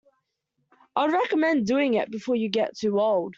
I would recommend doing it before you get too old.